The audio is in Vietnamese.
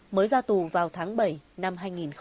mới ra tù vào tháng bảy năm hai nghìn một mươi chín